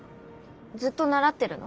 ずっと習ってるの？